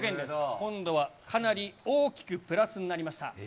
今度はかなり大きくプラスになりました。